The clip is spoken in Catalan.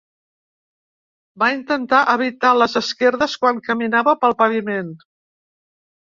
Va intentar evitar les esquerdes quan caminava pel paviment